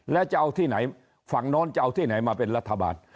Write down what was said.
แล้วจะเอาที่ไหนฝั่งโน้นจะเอาที่ไหนมาเป็นรัฐบาล